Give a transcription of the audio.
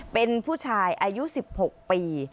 เป็นผู้ชายอายุ๑๖ปี